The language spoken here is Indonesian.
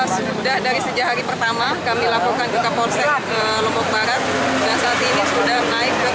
sudah dari sejak hari pertama kami laporkan ke kapolsek lombok barat yang saat ini sudah naik ke